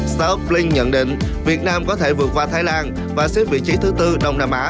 startuplink nhận định việt nam có thể vượt qua thái lan và xếp vị trí thứ bốn đông nam á